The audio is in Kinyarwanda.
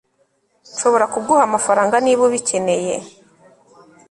Nshobora kuguha amafaranga niba ubikeneye